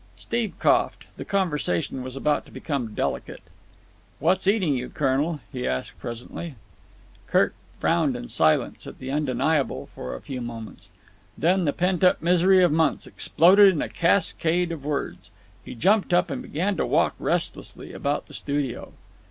Steve coughed. The conversation was about to become delicate. "What's eating you, colonel?" he asked presently. Kirk frowned in silence at the Undeniable for a few moments. Then the pent up misery of months exploded in a cascade of words. He jumped up and began to walk restlessly about the studio.